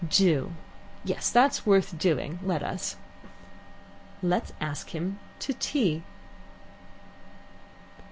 "Do; yes, that's worth doing. Let us." "Let's ask him to tea."